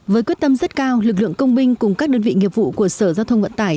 với quyết tâm rất cao lực lượng công binh cùng các đơn vị nghiệp vụ của sở giao thông vận tải